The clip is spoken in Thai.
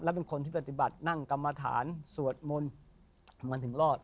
และเป็นคนที่ปฏิบัตินั่งกรรมฐานสวดมนต์ทำไมถึงรอด